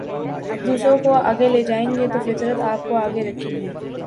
دوسروں کو آگے لے جائیں گے تو فطرت آپ کو آگے رکھے گی